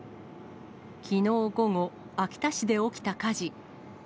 きのう午後、秋田市で起きた火事。